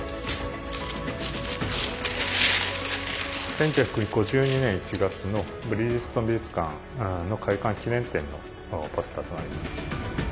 １９５２年１月のブリヂストン美術館の開館記念展のポスターとなります。